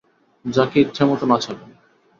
যাকে ইচ্ছেমত নাচাবেন?